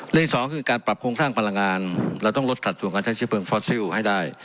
ที่สองคือการปรับโครงสร้างพลังงานเราต้องลดสัดส่วนการใช้เชื้อเพลิงฟอสซิลให้ได้